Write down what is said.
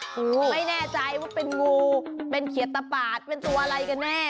ไม่แน่ใจว่าเป็นงูเป็นเขียดตะปาดเป็นตัวอะไรกันแน่